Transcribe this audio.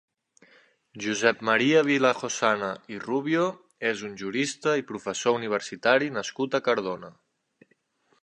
Josep Maria Vilajosana i Rubio és un jurista i professor universitari nascut a Cardona.